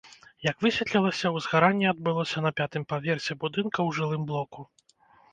Як высветлілася, узгаранне адбылося на пятым паверсе будынка ў жылым блоку.